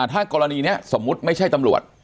ถ้ากรณีนี้สมมุติไม่ใช่ตำรวจ